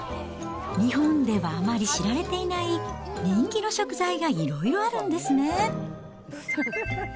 日本ではあまり知られていない人気の食材がいろいろあるんですね。